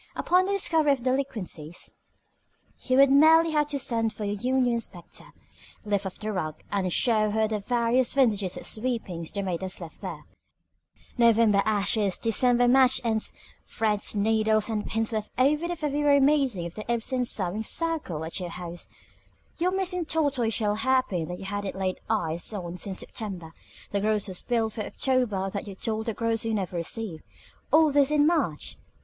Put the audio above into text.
Upon the discovery of her delinquencies you would merely have to send for the union inspector, lift up the rug and show her the various vintages of sweepings the maid has left there: November ashes; December match ends; threads, needles, and pins left over from the February meeting of the Ibsen Sewing Circle at your house; your missing tortoise shell hair pin that you hadn't laid eyes on since September; the grocer's bill for October that you told the grocer you never received all this in March.